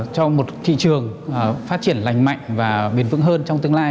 cho một thị trường phát triển lành mạnh và bền vững hơn trong tương lai